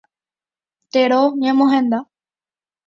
Tero ñemohenda.